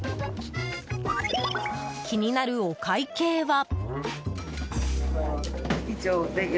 気になるお会計は。